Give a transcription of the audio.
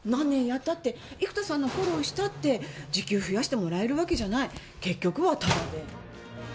何年やったって、生田さんのフォローしたって時給増やしてもらえるわけじゃない結局はタダで。